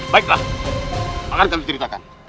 baiklah akan saya ceritakan